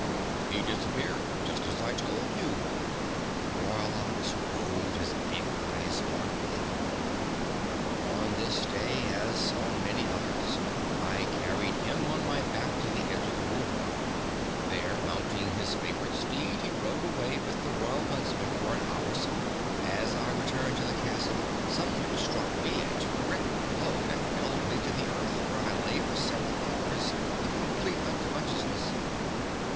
"He disappeared, just as I told you." The Royal Ox rolled his big eyes mournfully upward. "On this day, as on many others, I carried him on my back to the edge of the wood. There, mounting his favorite steed, he rode away with the Royal Huntsmen for an hour's sport. As I was returning to the castle someone struck me a terrific blow that felled me to the earth, where I lay for several hours in complete unconsciousness.